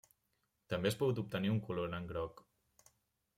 També es pot obtenir un colorant groc.